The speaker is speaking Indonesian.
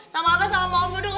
sama abah sama om dudung